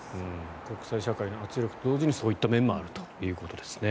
国際社会の圧力同時にそういった面もあるということですね。